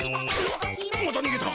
またにげた。